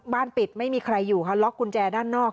ปิดไม่มีใครอยู่ค่ะล็อกกุญแจด้านนอก